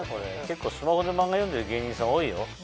結構スマホでマンガ読んでる芸人さん多いよ。